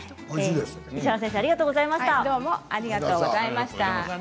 石原先生ありがとうございました。